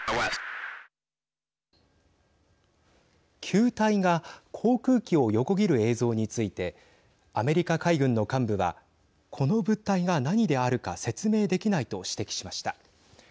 球体が航空機を横切る映像についてアメリカ海軍の幹部はこの物体が何であるか説明できないと指摘しました。